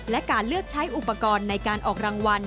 และการเลือกใช้อุปกรณ์ในการออกรางวัล